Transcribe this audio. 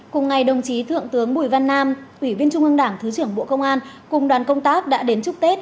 cùng ngày đồng chí thượng tướng bùi văn nam ủy viên trung ương đảng thứ trưởng bộ công an cùng đoàn công tác đã đến chúc tết